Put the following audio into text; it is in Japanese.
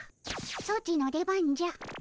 ソチの出番じゃ。